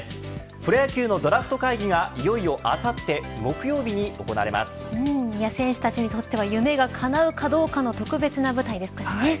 プロ野球のドラフト会議がいよいよあさって選手たちにとっては夢がかなうかどうかの特別な舞台ですからね。